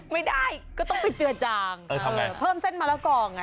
ไม่ได้ก็ต้องไปเจือจางเออทำไงเพิ่มเส้นมะละกองอ่ะ